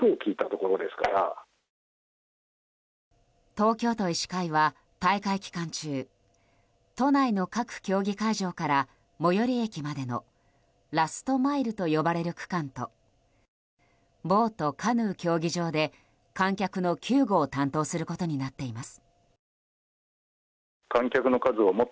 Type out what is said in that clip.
東京都医師会は大会期間中都内の各競技会場から最寄り駅までのラストマイルと呼ばれる区間とボート・カヌー競技場で観客の救護を担当することになっています。